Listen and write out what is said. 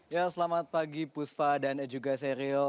ya selamat pagi puspa dan juga serio